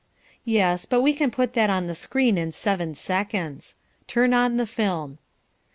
Yes, but we can put that on the screen in seven seconds. Turn on the film.